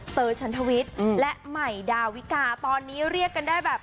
เต๋อชันทวิดและไหมดาวไวการ์ตอนนี้เรียกกันได้แบบ